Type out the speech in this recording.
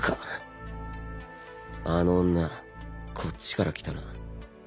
あの女こっちから来たな。